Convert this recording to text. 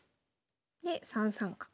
で３三角。